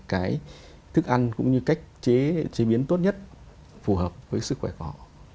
cái thức ăn cũng như cách chế biến tốt nhất phù hợp với sức khỏe của họ